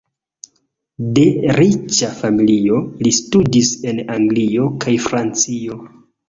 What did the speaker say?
De riĉa familio, li studis en Anglio kaj Francio.